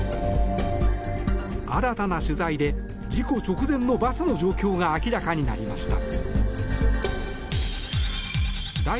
新たな取材で事故直前のバスの状況が明らかになりました。